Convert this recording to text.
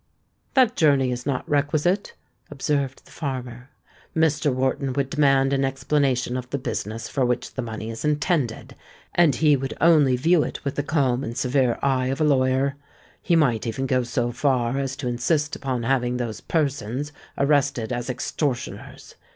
"That journey is not requisite," observed the farmer. "Mr. Wharton would demand an explanation of the business for which the money is intended; and he would only view it with the calm and severe eye of a lawyer. He might even go so far as to insist upon having those persons arrested as extortioners.